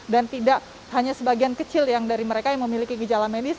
dan tidak hanya sebagian kecil yang dari mereka yang memiliki gejala medis